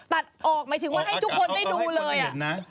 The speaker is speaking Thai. ตัดออกหมายถึงว่าให้ทุกคนได้ดูเลย